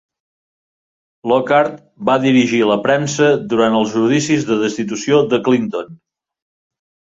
Lockhart va dirigir la premsa durant els judicis de destitució de Clinton.